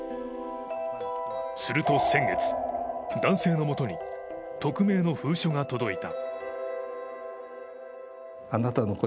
すると先月、男性のもとに匿名の封書が届いた。